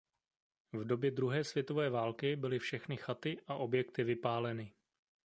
V době druhé světové války byly všechny chaty a objekty vypáleny.